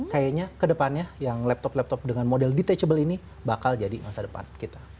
kayaknya kedepannya yang laptop laptop dengan model detachable ini bakal jadi masa depan kita